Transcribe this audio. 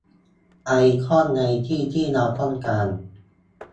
ไอคอนในที่ที่เราต้องการ